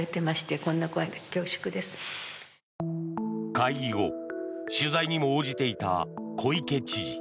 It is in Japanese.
会議後、取材にも応じていた小池知事。